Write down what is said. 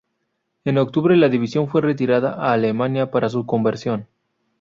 En octubre, la división fue retirada a Alemania para su conversión.